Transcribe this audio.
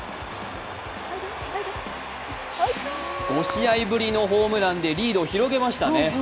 ５試合ぶりのホームランでリードを広げましたね。